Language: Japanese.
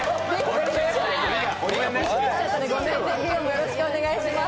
よろしくお願いします。